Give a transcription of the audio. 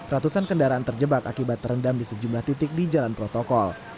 ratusan kendaraan terjebak akibat terendam di sejumlah titik di jalan protokol